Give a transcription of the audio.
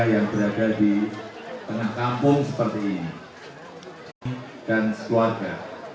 yang berada di tengah kampung seperti ini dan sekeluarga